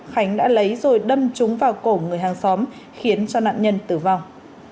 khánh đã lấy rồi đâm trúng vào cổ người hàng xóm khiến cho nạn nhân tử vong